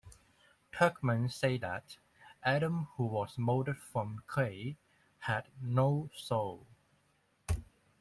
Turkmen say that Adam who was moulded from clay had no soul.